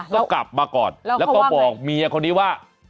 ก็กลับมาก่อนแล้วก็บอกเมียคนนี้ว่าแล้วก็ว่าไง